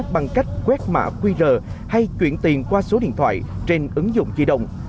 bằng cách quét mã qr hay chuyển tiền qua số điện thoại trên ứng dụng di động